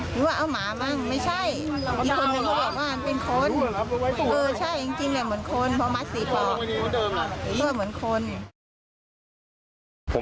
หรือว่าอะหมาบ้างไม่ใช่มีคนที่บอกว่าเป็นคน